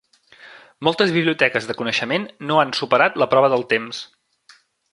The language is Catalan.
Moltes biblioteques de coneixement no han superat la prova del temps.